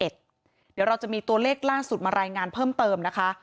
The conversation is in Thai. เดี๋ยวเราจะมีตัวเลขล่าสุดมารายงานเพิ่มเติมนะคะ